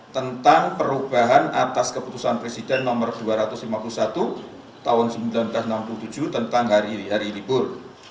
tentang perubahan atas keputusan presiden nomor dua ratus lima puluh satu tahun seribu sembilan ratus enam puluh tujuh tentang hari libur